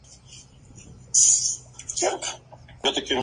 Tiene pasado en Tiro Federal, Almagro, Olmedo de Ecuador y Defensa y Justicia.